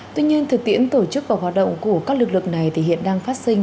tuy nhiên thực tiễn tổ chức và hoạt động của các lực lượng này thì hiện đang phát sinh